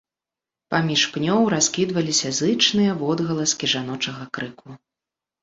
Паміж пнёў раскідваліся зычныя водгаласкі жаночага крыку.